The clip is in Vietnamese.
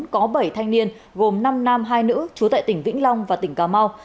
có bảy thanh niên gồm năm nam hai nữ chú tại tỉnh vĩnh long và tỉnh cà mau